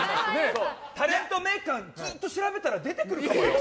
タレント名鑑ずっと調べてたら出てくるかもよ。